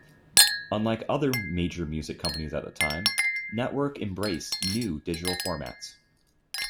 Unlike other major music companies at the time, Nettwerk embraced new digital formats.